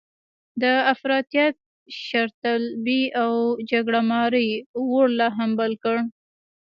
د افراطیت، شرطلبۍ او جګړه مارۍ اور لا هم بل و.